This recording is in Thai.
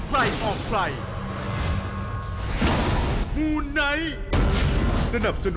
แล้วเป็นแฝดแทน